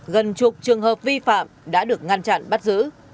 gần chục trường hợp vi phạm đã được ngăn chặn bắt giữ